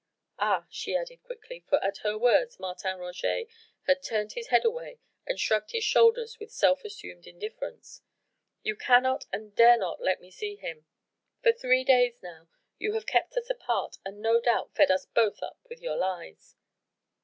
"Ah!" she added quickly, for at her words Martin Roget had turned his head away and shrugged his shoulders with well assumed indifference, "you cannot and dare not let me see him. For three days now you have kept us apart and no doubt fed us both up with your lies.